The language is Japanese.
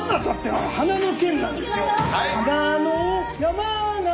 はい！